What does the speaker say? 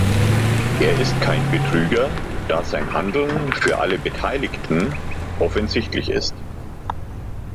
Er ist kein Betrüger, da sein Handeln für alle Beteiligten offensichtlich ist.